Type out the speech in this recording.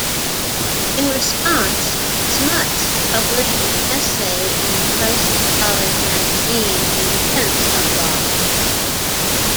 In response Smuts published an essay in Christ's College Magazine in defence of Law.